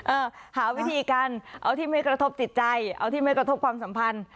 หาวิธีการเอาที่ไม่กระทบจิตใจเอาที่ไม่กระทบความสัมพันธ์